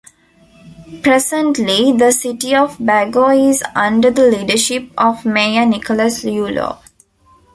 Presently, the City of Bago is Under the leadership of Mayor Nicholas Yulo.